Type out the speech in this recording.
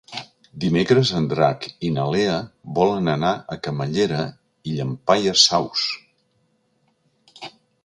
Dimecres en Drac i na Lea volen anar a Camallera i Llampaies Saus.